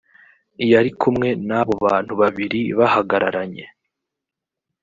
yari kumwe n’abo bantu babiri bahagararanye